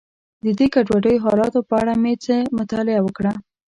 د دې ګډوډو حالاتو په اړه مې څه مطالعه وکړه.